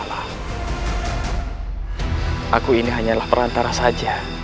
aku ini hanyalah perantara saja